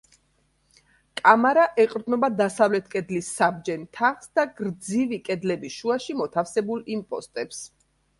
კამარა ეყრდნობა დასავლეთ კედლის საბჯენ თაღს და გრძივი კედლების შუაში მოთავსებულ იმპოსტებს.